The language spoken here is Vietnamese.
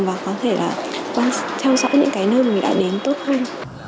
và có thể là theo dõi những cái nơi mình đã đến tốt hơn